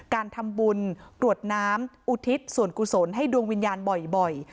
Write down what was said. การทำบุญกรวดน้ำอุทิศส่วนกุศลให้ดวงวิญญาณบ่อย